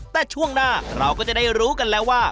แต่ช่วงหน้าเราก็จะได้รู้กันแล้วว่า